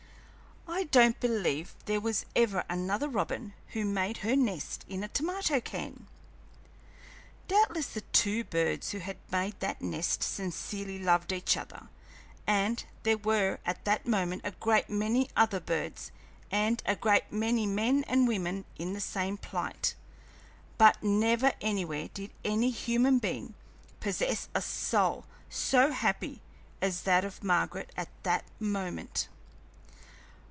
I don't believe there was ever another robin who made her nest in a tomato can!" Doubtless the two birds who had made that nest sincerely loved each other; and there were at that moment a great many other birds, and a great many men and women, in the same plight, but never anywhere did any human being possess a soul so happy as that of Margaret at that moment.